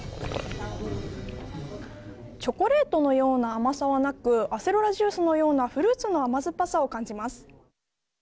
チョコレートのような甘さはなくアセロラジュースのようなフルーツの甘酸っぱさを感じます。